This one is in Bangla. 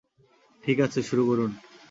ঠিক আছে, শুরু করুন!